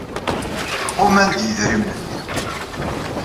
Quman-d yidrimen-nni.